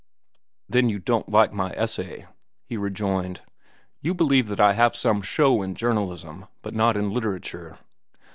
"Then you don't like my essay?" he rejoined. "You believe that I have some show in journalism but none in literature?"